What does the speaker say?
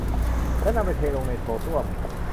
แล้วนำไปเทลงในโถส้วม